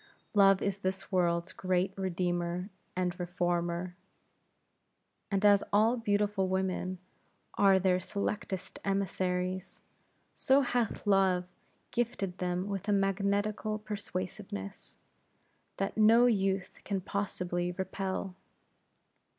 Love is this world's great redeemer and reformer; and as all beautiful women are her selectest emissaries, so hath Love gifted them with a magnetical persuasiveness, that no youth can possibly repel.